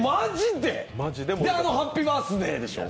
で、あのハッピーバースデーでしょ。